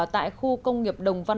tại khu công nghiệp đồng văn một